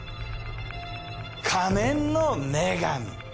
仮面の女神。